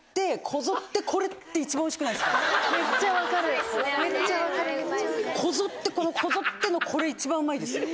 こぞってこぞってのこれ一番うまいですよ。